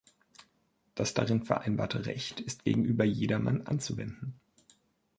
Das darin vereinbarte Recht ist gegenüber jedermann anzuwenden.